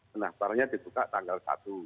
penamparannya ditukar tanggal satu